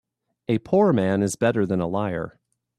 A poor man is better than a liar.